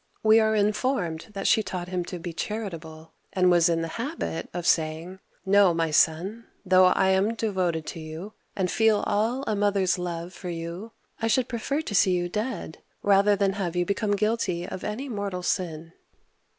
We are in formed that she taught him to be charitable, and was in the habit of saying, " Know, my son, though I am devoted to you, and feel all a mother's love for you, I should uigiTizea oy x^jvjkj^L^ 128 OLD PRANCE prefer to see you dead rather than have you become guilty of any mortal sin.